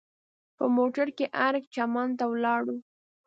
په موټر کې ارګ چمن ته ولاړو.